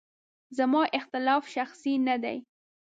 زما اختلاف شخصي نه دی.